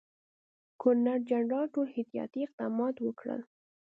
ګورنرجنرال ټول احتیاطي اقدامات وکړل.